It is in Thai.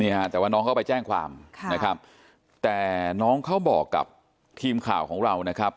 แต่ว่าน้องเขาไปแจ้งความค่ะนะครับแต่น้องเขาบอกกับทีมข่าวของเรานะครับ